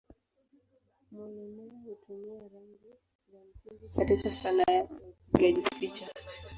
Muluneh hutumia rangi za msingi katika Sanaa yake ya upigaji picha.